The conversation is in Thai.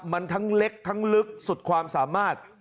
มันทั้งเล็กทั้งลึกสุดความสามารถ